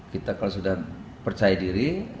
kita kalau sudah percaya diri